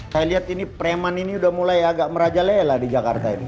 saya lihat ini preman ini udah mulai agak merajalela di jakarta ini